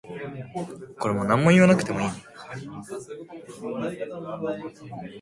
During Friedman's time in the band, they sold over ten million albums worldwide.